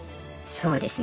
そうですね。